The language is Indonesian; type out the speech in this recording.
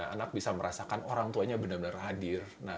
anak bisa merasakan orang tuanya benar benar hadir